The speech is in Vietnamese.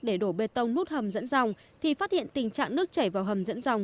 để đổ bê tông nút hầm dẫn dòng thì phát hiện tình trạng nước chảy vào hầm dẫn dòng